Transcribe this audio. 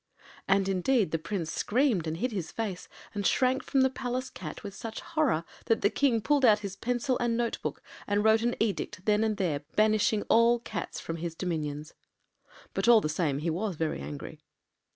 ” And, indeed, the Prince screamed, and hid his face, and shrank from the Palace cat with such horror that the King pulled out his pencil and note book and wrote an edict then and there banishing all cats from his dominions. But, all the same, he was very angry.